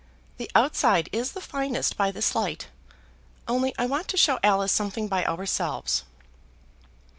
The outside is the finest by this light, only I want to show Alice something by ourselves."